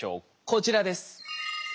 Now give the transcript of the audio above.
こちらです。